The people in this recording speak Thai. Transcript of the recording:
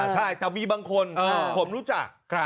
ใช่แต่มีบางคนผมรู้จัก